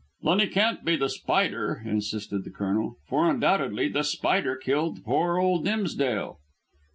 "Then he can't be The Spider," insisted the Colonel, "for undoubtedly The Spider killed poor old Dimsdale."